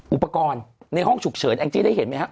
อุปกรณ์ในห้องฉุกเฉินแองจี้ได้เห็นไหมฮะ